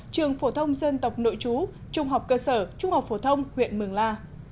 trường phổ thông dân tộc nội chú trung học cơ sở trung học phổ thông huyện mường la